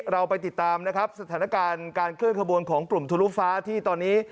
เราไปติดตามนะครับสถานการณ์การเคลื่อนขบวนของกลุ่มทะลุฟ้าที่ตอนนี้